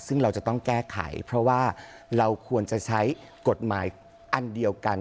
ซึ่งเราจะต้องแก้ไขเพราะว่าเราควรจะใช้กฎหมายอันเดียวกัน